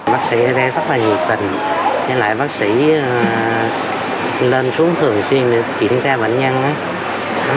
bác sĩ ở đây rất là nhiều tình với lại bác sĩ lên xuống thường xuyên để kiểm tra bệnh nhân